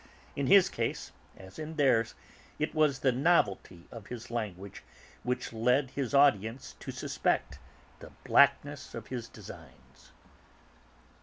In his case as in theirs it was the novelty of his language which led his audience to suspect the blackness of his designs.